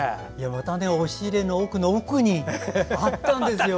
また押入れの奥の奥にあったんですよ。